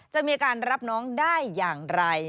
จะมีการรับน้องได้อย่างไร